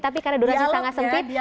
tapi karena durasi sangat sempit